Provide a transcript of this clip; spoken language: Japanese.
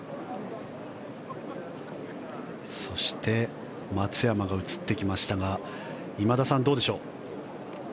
そして松山が映ってきましたが今田さん、どうでしょう。